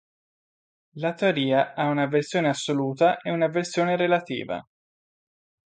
La teoria ha una versione assoluta e una versione relativa.